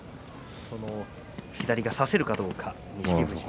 左が差せるかどうか錦富士。